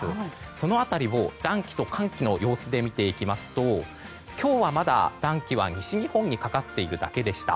その辺りを暖気と寒気の様子で見ていきますと今日はまだ、暖気は西日本にかかっているだけでした。